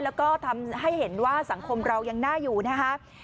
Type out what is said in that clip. แล้วก็ทำให้เห็นว่าสังคมเรายังน่าอยู่นะคะ